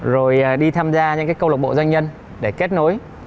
rồi đi tham gia những câu lộc bộ doanh nhân để kết nối